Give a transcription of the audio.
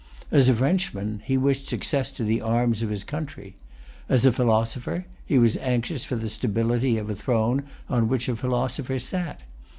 As a Frenchman, he wished success to the arms, of his country.[Pg 312] As a philosopher, he was anxious for the stability of a throne on which a philosopher sat.